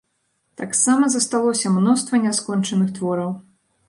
Таксама засталося мноства няскончаных твораў.